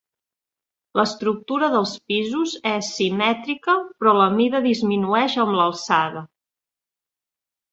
L'estructura dels pisos és simètrica però la mida disminueix amb l'alçada.